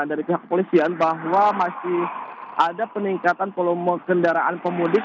dari pihak kepolisian bahwa masih ada peningkatan volume kendaraan pemudik